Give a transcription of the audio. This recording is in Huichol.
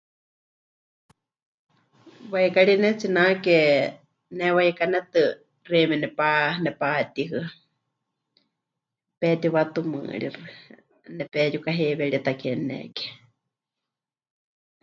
Waikari pɨnetsinake, nehewaikanetɨ xeíme nepa... nepatíhɨa. Petiwatumɨríxɨ, nepeyukaheiweri ta kémɨneni.